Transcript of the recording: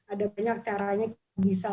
ada banyak caranya kita bisa